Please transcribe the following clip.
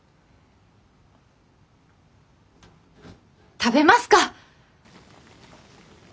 食べますか！